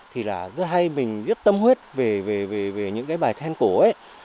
thì là rất hay mình rất tâm huyết về những cái bài then cổ ấy